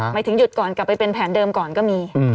หมายถึงหยุดก่อนกลับไปเป็นแผนเดิมก่อนก็มี